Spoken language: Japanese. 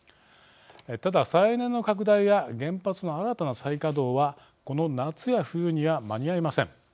ただ、再エネの拡大や原発の新たな再稼働はこの夏や冬には間に合いません。